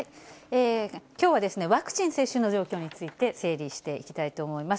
きょうはワクチン接種の状況について整理していきたいと思います。